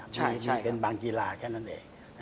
ใช่เป็นบางกีฬาแค่นั้นเอง